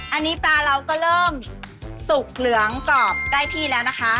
อันนี้ปลาเราก็เริ่มสุกเหลืองกรอบได้ที่แล้วนะคะ